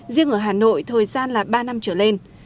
riêng ở hà nội thời gian là ba năm trở lên